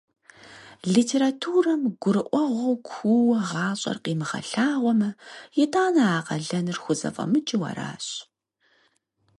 Литературэм гурыӀуэгъуэу куууэ гъащӀэр къимыгъэлъагъуэмэ, итӀанэ а къалэныр хузэфӀэмыкӀыу аращ.